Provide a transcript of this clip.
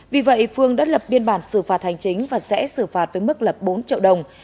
vì vậy phương đã lập biên bản xử phạt hành chính và sẽ xử phạt với mức lập bốn triệu đồng